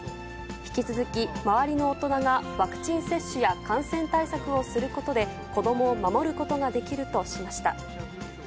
引き続き、周りの大人がワクチン接種や感染対策をすることで、子どもを守ることができるとしました。